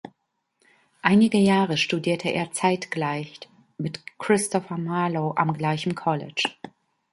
Einige Jahre studierte er zeitgleich mit Christopher Marlowe am gleichen College.